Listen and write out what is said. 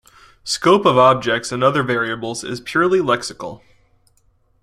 Scope of objects and other variables is purely lexical.